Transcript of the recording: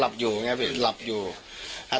หนูจะให้เขาเซอร์ไพรส์ว่าหนูเก่ง